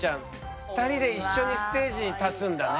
２人で一緒にステージに立つんだね。